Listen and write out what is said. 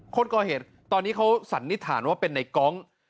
โคตรก็เห็นตอนนี้เขาสรรค์นิทธานว่าเป็นในก้อง